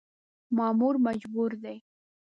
مامور مجبور دی .